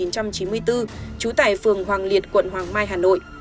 trú tại phường hoàng liệt quận hoàng mai hà nội